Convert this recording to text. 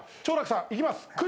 長樂さんいきます。